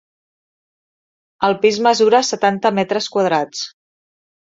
El pis mesura setanta metres quadrats.